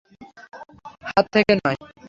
হাত থেকে নয়।